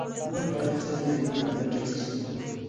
موږ باید تل د علم په لټه کې سو.